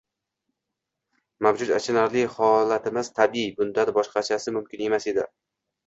Mavjud achinarli holatimiz tabiiy, bundan boshqasi mumkin emas edi